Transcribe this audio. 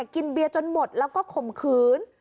กินเบียร์จนหมดแล้วก็ข่มขืน